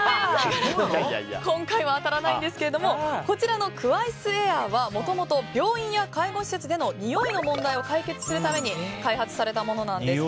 今回は、ないんですがこちらのＱＡＩＳ‐ａｉｒ‐はもともと病院や介護施設でのにおいの問題を解決するために開発されたものなんです。